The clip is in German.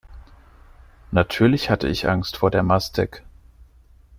Natürlich hatte ich Angst vor der Mastek.